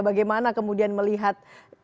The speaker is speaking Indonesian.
bagaimana kemudian melihat